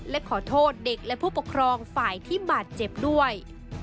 และขอโทษเด็กและผู้ปกครองฝ่ายที่บาดเจ็บด้วย